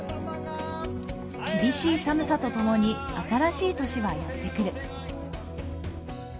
厳しい寒さとともに新しい年はやって来る。